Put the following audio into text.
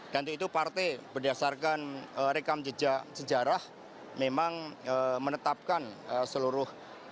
dan itu partai berdasarkan rekam sejarah memang menetapkan seluruh peraturan